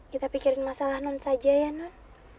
kita pikirin masalah non saja ya non